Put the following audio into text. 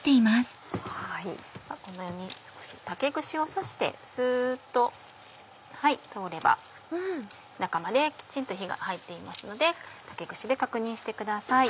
このように少し竹串を刺してすっと通れば中まできちんと火が入っていますので竹串で確認してください。